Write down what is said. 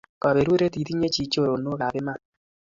Kaperuret itinye chi choronok ap iman